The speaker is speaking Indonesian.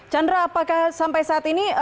chandra apakah sampai saat ini